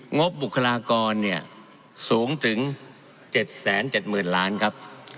บบุคลากรเนี่ยสูงถึง๗๗๐๐๐ล้านครับ